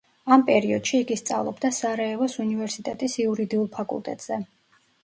ამ პერიოდში იგი სწავლობდა სარაევოს უნივერსიტეტის იურიდიულ ფაკულტეტზე.